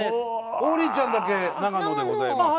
王林ちゃんだけ長野でございます。